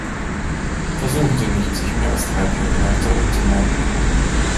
Versuchen Sie nicht, sich mehr als drei Dinge gleichzeitig zu merken.